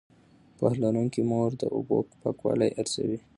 پوهه لرونکې مور د اوبو پاکوالی ارزوي.